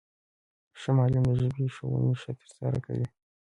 ښه معلم د ژبي ښوونه ښه ترسره کوي.